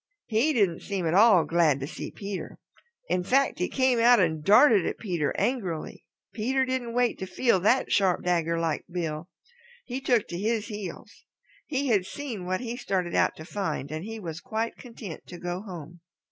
He didn't seem at all glad to see Peter. In fact, he came out and darted at Peter angrily. Peter didn't wait to feel that sharp dagger like bill. He took to his heels. He had seen what he started out to find and he was quite content to go home.